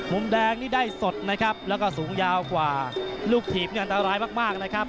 มุมแดงนี่ได้สดนะครับแล้วก็สูงยาวกว่าลูกถีบนี่อันตรายมากนะครับ